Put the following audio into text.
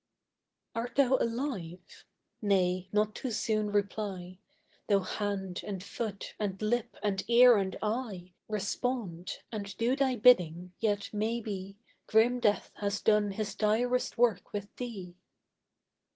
Art thou alive? Nay, not too soon reply, Tho' hand, and foot, and lip, and ear, and eye, Respond, and do thy bidding yet may be Grim death has done his direst work with thee.